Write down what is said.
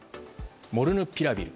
モルヌピラビル。